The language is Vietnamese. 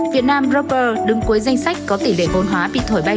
việt nam rober đứng cuối danh sách có tỷ lệ vốn hóa bị thổi bay